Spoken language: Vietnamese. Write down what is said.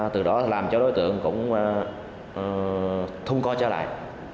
từ đó làm cho đối tượng cũng thung co trở lại